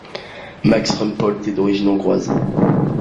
Marx Rumpolt est d'origine hongroise.